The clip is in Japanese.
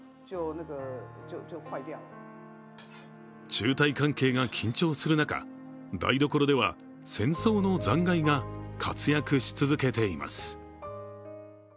中台関係が緊張する中台所では戦争の残骸が活躍し続けています。